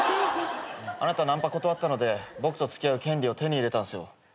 あなたナンパ断ったので僕と付き合う権利を手に入れたんすよ。